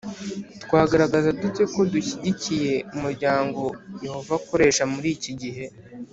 Twagaragaza dute ko dushyigikiye umuryango Yehova akoresha muri iki gihe